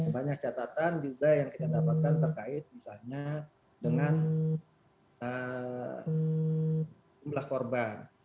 banyak catatan juga yang kita dapatkan terkait misalnya dengan jumlah korban